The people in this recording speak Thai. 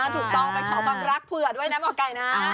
ถูกต้องไปขอความรักเผื่อด้วยนะหมอไก่นะ